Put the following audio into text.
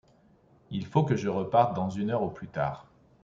Il faut que je reparte dans une heure au plus tard.